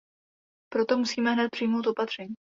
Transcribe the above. Proto musíme ihned přijmout opatření.